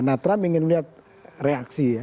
nah trump ingin melihat reaksi ya